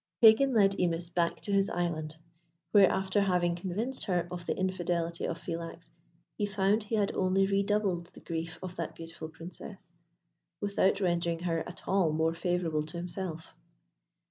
Pagan led Imis back to his island, where after having convinced her of the infidelity of Philax, he found he had only redoubled the grief of that beautiful Princess without rendering her at all more favourable to himself.